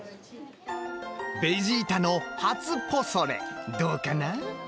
ベジータの初ポソレどうかな？